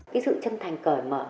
cái sự chân thành cởi mở